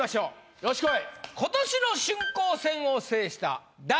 よしこい。